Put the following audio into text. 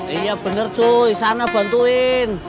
iya bener cuy sana bantuin